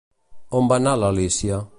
On va anar l'Alícia?